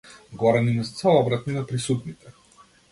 Горан им се обрати на присутните.